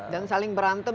dan saling berantem